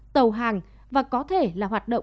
tàu hàng và có thể là hoạt động